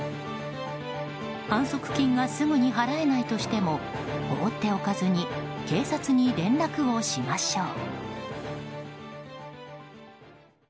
反則金がすぐに払えないとしても放っておかずに警察に連絡をしましょう。